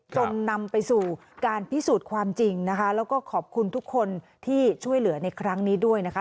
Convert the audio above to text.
จนนำไปสู่การพิสูจน์ความจริงนะคะแล้วก็ขอบคุณทุกคนที่ช่วยเหลือในครั้งนี้ด้วยนะคะ